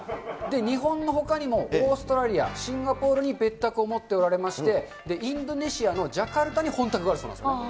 日本のほかにもオーストラリア、シンガポールに別宅を持っておられまして、インドネシアのジャカルタに本宅があるそうなんですね。